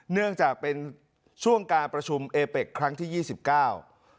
เนื่องจากเป็นช่วงการประชุมเอเป็กครั้งที่ยี่สิบเก้า